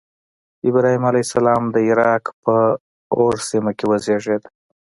ابراهیم علیه السلام د عراق په أور سیمه کې وزیږېد.